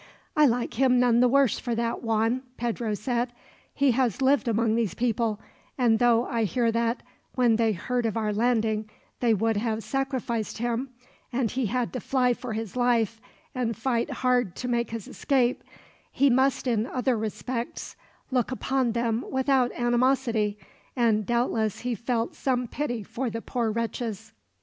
"I like him none the worse for that, Juan," Pedro said. "He has lived among these people, and though I hear that, when they heard of our landing, they would have sacrificed him, and he had to fly for his life and fight hard to make his escape, he must in other respects look upon them without animosity; and doubtless he felt some pity for the poor wretches."